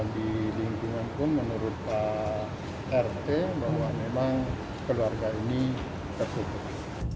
di lingkungan pun menurut pak rt bahwa memang keluarga ini tertutup